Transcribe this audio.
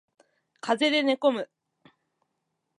風邪で寝込む